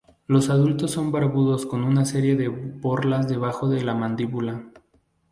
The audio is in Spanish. Los adultos son barbudos con una serie de borlas debajo de la mandíbula.